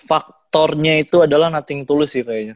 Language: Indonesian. faktornya itu adalah nothing touse sih kayaknya